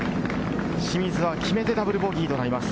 清水は決めてダブルボギーとなります。